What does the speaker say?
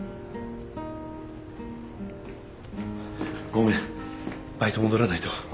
ごめんバイト戻らないと。